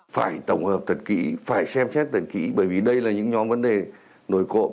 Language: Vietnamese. phải tổng hợp thật kỹ phải xem xét thật kỹ bởi vì đây là những nhóm vấn đề nổi cộ